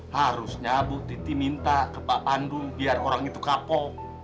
harusnya bu titi minta ke pak pandu biar orang itu kapok